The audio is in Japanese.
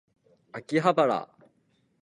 秋葉原